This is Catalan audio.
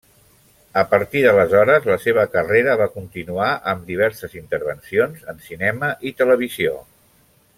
A partir d'aleshores, la seva carrera va continuar amb diverses intervencions en cinema i televisió.